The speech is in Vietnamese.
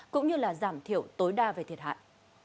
cũng như là giảm thiểu tối đa về thiệt hại